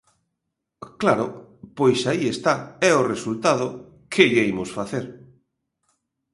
Claro, pois aí está é o resultado, ¡que lle imos facer!